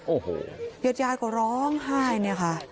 โอ้โหญาติยายก็ร้องไห้เนี่ยค่ะ